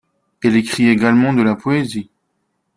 Elle écrit également de la poésie.